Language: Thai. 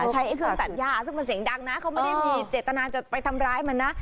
ใช้เครื่องตัดย่าซึ่งมันเสียงดังนะเขาไม่ได้มีเจตนาจะไปทำร้ายมันนะ